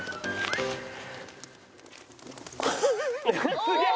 すげえ！